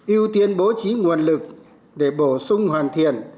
ưu tiên bố trí nguồn lực để bổ sung hoàn thiện